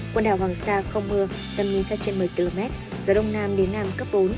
quần đảo hoàng sa không mưa tầm nhìn xa trên một mươi km gió đông nam đến nam cấp bốn